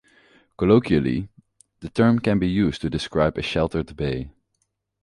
Colloquially, the term can be used to describe a sheltered bay.